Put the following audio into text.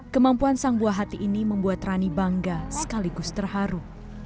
kemampuan sang buah hati ini membuat rani bangga sekaligus terharu